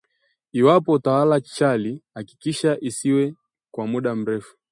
Iwapo utalala chali hakikisha isiwe kwa muda mrefu